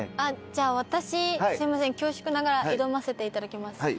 じゃあ私恐縮ながら挑ませていただきます。